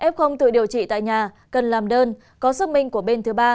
f tự điều trị tại nhà cần làm đơn có xác minh của bên thứ ba